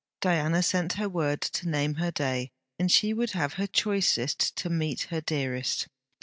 Diana sent her word to name her day, and she would have her choicest to meet her dearest.